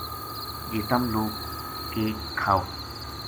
جے تم لوک کے کھاؤ